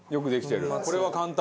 これは簡単。